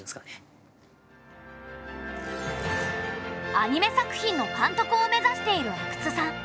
アニメ作品の監督を目指している阿久津さん。